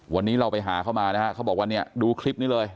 วันนี้เราไปหาเข้ามานะฮะเขาบอกว่าเนี่ยดูคลิปนี้เลย